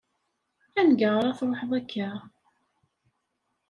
Anga ar ad tṛuḥeḍ akka?